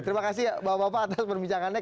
terima kasih bapak bapak atas perbincangannya